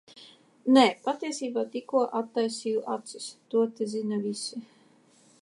Nē, patiesībā tik tikko attaisīju acis. To te zina visi.